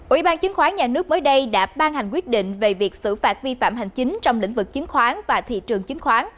ủy ban chứng khoán nhà nước mới đây đã ban hành quyết định về việc xử phạt vi phạm hành chính trong lĩnh vực chứng khoán và thị trường chứng khoán